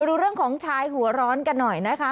ดูเรื่องของชายหัวร้อนกันหน่อยนะคะ